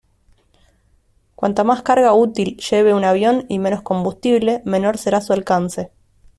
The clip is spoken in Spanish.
Cuanta más carga útil lleve un avión y menos combustible, menor será su alcance.